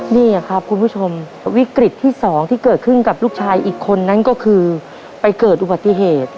นี่ครับคุณผู้ชมวิกฤตที่สองที่เกิดขึ้นกับลูกชายอีกคนนั้นก็คือไปเกิดอุบัติเหตุ